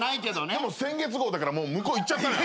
でも先月号だからもう向こう行っちゃったのよ。